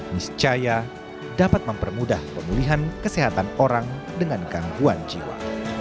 miscaya dapat mempermudah pemulihan kesehatan orang dengan gangguan jiwa